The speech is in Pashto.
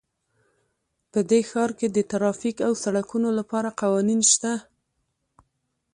په دې ښار کې د ټرافیک او سړکونو لپاره قوانین شته